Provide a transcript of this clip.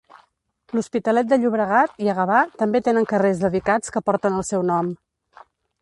L’Hospitalet de Llobregat i a Gavà també tenen carrers dedicats que porten el seu nom.